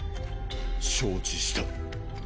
承知した。